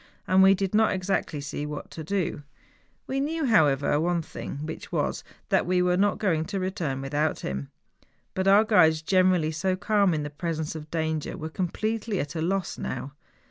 And we did not exactly see what to do. We knew, how¬ ever, one thing, which was, that we were not going to return without him. But our guides, generally so calm in the presence of danger, were completely at a loss now.